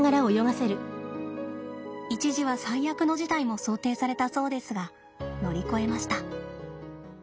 一時は最悪の事態も想定されたそうですが乗り越えました。